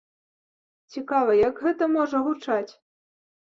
Цікава, як гэта можа гучаць.